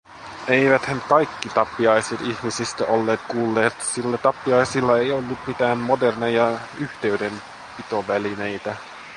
Eiväthän kaikki tappiaiset ihmisistä olleet kuulleet, sillä tappiaisilla ei ollut mitään moderneja yhteydenpitovälineitä.